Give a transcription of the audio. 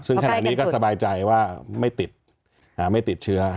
ซึ่งขณะนี้ก็สบายใจว่าไม่ติดไม่ติดเชื้อ